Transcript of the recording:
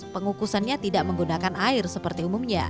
pengukusannya tidak menggunakan air seperti umumnya